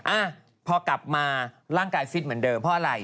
อ่ะพอกลับมาร่างกายฟิตเหมือนเดิมเพราะอะไร